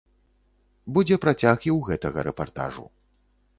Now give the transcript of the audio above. Будзе працяг і ў гэтага рэпартажу.